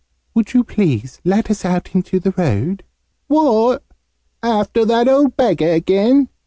"Would you please let us out into the road?" "What! After that old beggar again?"